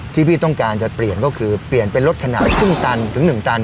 ที่พี่ต้องการจะเปลี่ยนก็คือเปลี่ยนเป็นรถขนาดครึ่งตันถึง๑ตัน